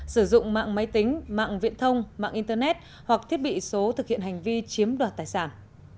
sử dụng mạng máy tính mạng viễn thông mạng internet hoặc thiết bị số thực hiện hành vi chiếm đoạt tài sản